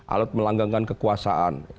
alat melanggangkan kekuasaan